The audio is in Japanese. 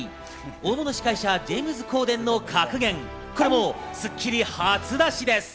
大物司会者ジェームズ・コーデンの格言、これも『スッキリ』初出しです。